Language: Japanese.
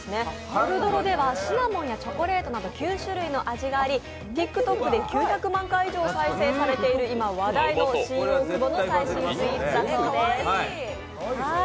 トルドロではシナモンやチョコレートなど９種類の味があり、ＴｉｋＴｏｋで９００万回以上再生されている、今、話題の新大久保の最新スイーツだそうです。